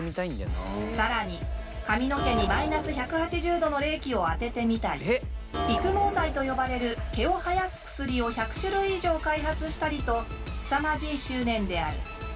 更に髪の毛に−１８０度の冷気を当ててみたり育毛剤と呼ばれる毛を生やす薬を１００種類以上開発したりとすさまじい執念である。